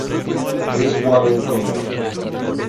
Chris Warren Jr.